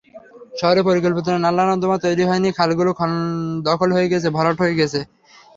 শহরে পরিকল্পিত নালা-নর্দমা তৈরি হয়নি, খালগুলো দখল হয়ে গেছে, ভরাট হয়ে গেছে।